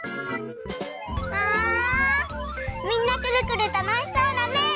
あみんなくるくるたのしそうだね。